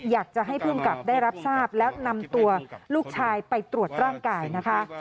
อยากจะให้ภูมิกับได้รับทราบแล้วนำตัวลูกชายไปตรวจร่างกายนะคะ